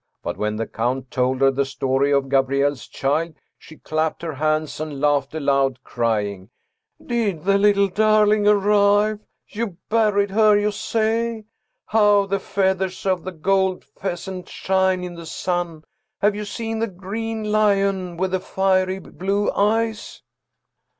But when the count told her the story of Gabrielle's child she clapped her hands and laughed aloud, crying :' Did the little dar ling arrive ? You buried her, you say ? How the feathers of the gold pheasant shine in the sun! Have you seen the green lion with the fiery blue eyes